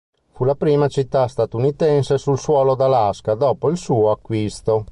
Fu la prima città statunitense sul suolo d'Alaska dopo il suo acquisto.